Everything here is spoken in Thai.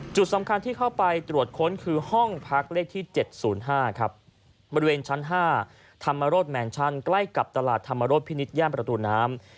จุดสำคัญที่เข้าไปตรวจค้นคือห้องพักเลขที่๗๐๕ครับบริเวณชั้น๕ธรรมโรธแมนชั่นใกล้กับตลาดธรรมโรธพินิษฐย่านประตูน้ำ